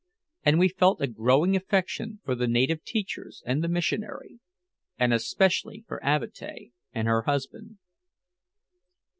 And we felt a growing affection for the native teachers and the missionary, and especially for Avatea and her husband.